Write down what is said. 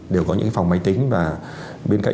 đều có những phòng máy tính và bên cạnh